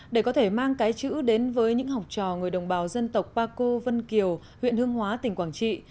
để có thể mang cái chữ đến với những học trò người đồng bào dân tộc paco vân kiều huyện hương hóa tỉnh quảng trị